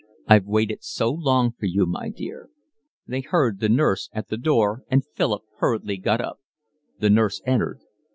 I've waited so long for you, my dear." They heard the nurse at the door, and Philip hurriedly got up. The nurse entered.